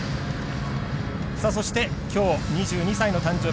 そして、きょう２２歳の誕生